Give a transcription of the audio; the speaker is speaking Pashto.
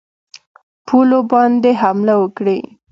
پولو باندي حمله وکړي.